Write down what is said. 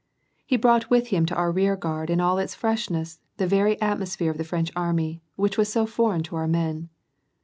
He brought with him to our rearguard in all its freshness the very atmos phere of the French army, which was so foreign to our men.